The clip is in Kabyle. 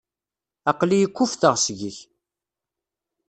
Aql-iyi kuffteɣ seg-k.